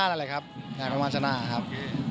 นั่นแหละครับอยากพระมาทชนะครับครับ